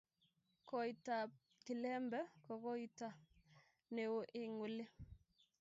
Koita ab Kilembe ko koito neo eng oli.